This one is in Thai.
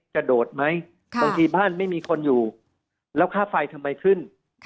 จะโดดไหมว่าบางครั้งใจไม่มีคนอยู่แล้วค่าไฟทำไมขึ้น